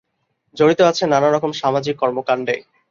জড়িত আছেন নানা রকম সামাজিক কর্মকাণ্ডে।